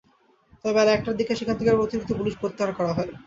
তবে বেলা একটার দিকে সেখান থেকে অতিরিক্ত পুলিশ প্রত্যাহার করা হয়।